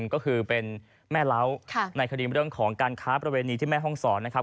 ก็คือเป็นแม่เล้าในคดีเรื่องของการค้าประเวณีที่แม่ห้องศรนะครับ